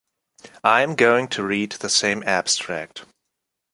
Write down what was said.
I am going to read the same abstract.